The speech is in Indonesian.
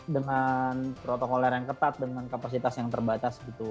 dengan protokol air yang ketat dengan kapasitas yang terbatas gitu